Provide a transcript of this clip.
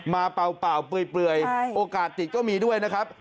เปล่าเปลือยโอกาสติดก็มีด้วยนะครับ